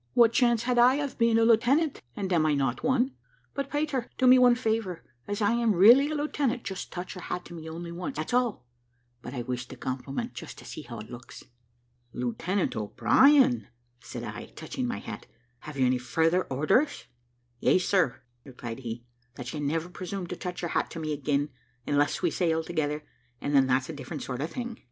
"What chance had I of being a lieutenant, and am I not one? But, Peter, do me one favour; as I am really a lieutenant, just touch your hat to me only once, that's all: but I wish the compliment, just to see how it looks." "Lieutenant O'Brien," said I, touching my hat, "have you any further orders?" "Yes, sir," replied he, "that you never presume to touch your hat to me again, unless we sail together, and then that's a different sort of thing."